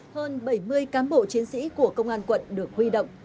hơn bảy mươi cán bộ chiến sĩ của công an quận được huy động